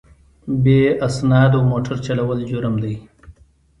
بې اسنادو موټر چلول جرم دی.